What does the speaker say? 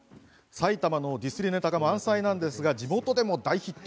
埼玉のディスりネタ満載ですが地元でも大ヒット。